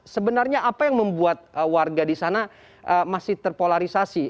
sebenarnya apa yang membuat warga di sana masih terpolarisasi